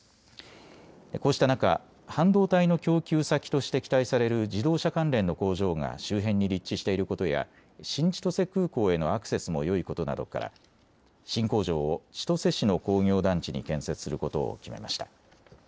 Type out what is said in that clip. こうした中、半導体の供給先として期待される自動車関連の工場が周辺に立地していることや新千歳空港へのアクセスもよいことなどから新工場を千歳市の工業団地に建設することを決めました。